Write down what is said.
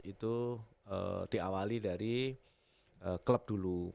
itu diawali dari klub dulu